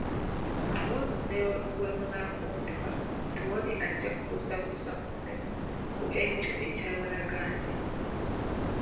Awo nno ne bwemunaafumbirwa tewali ajja kubuusabuusa munne ku ekyo ekyabagalanya.